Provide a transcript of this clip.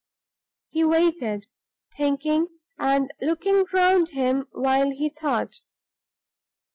He waited, thinking and looking round him while he thought.